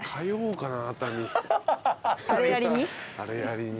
あれやりに？